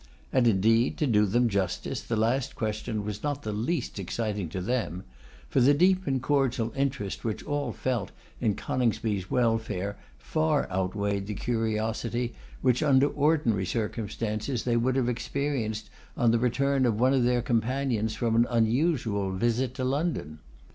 And, indeed, to do them justice, the last question was not the least exciting to them; for the deep and cordial interest which all felt in Coningsby's welfare far outweighed the curiosity which, under ordinary circumstances, they would have experienced on the return of one of their companions from an unusual visit to London.